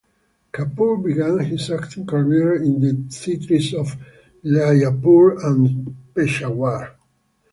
Kapoor began his acting career in the theatres of Lyallpur and Peshawar.